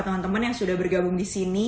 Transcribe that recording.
teman teman yang sudah bergabung disini